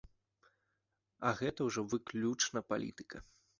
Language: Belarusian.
А гэта ўжо выключна палітыка!